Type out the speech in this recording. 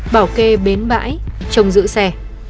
bảo kê bến bãi trồng giữ xe